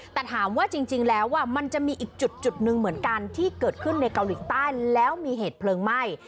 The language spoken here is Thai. แต่ถามว่าจริงแล้วมันจะมีอีกจุดหนึ่งเหมือนกันที่เกิดขึ้นในเกาหลีใต้แล้วมีเหตุเพลิงไหม้